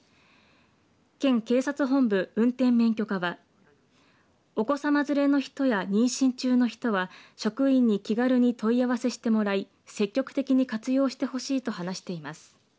県警察本部運転免許課はお子さま連れの人や妊娠中の人は職員に気軽に問い合わせしてもらい積極的に活用してほしいと話しています。